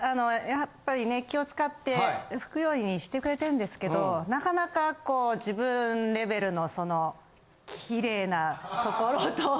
やっぱりね気を使って拭くようにしてくれてるんですけどなかなかこう自分レベルのそのキレイなところとはい。